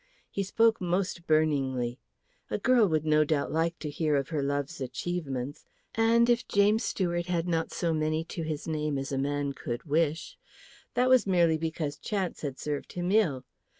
He spoke most burningly. A girl would no doubt like to hear of her love's achievements; and if James Stuart had not so many to his name as a man could wish, that was merely because chance had served him ill.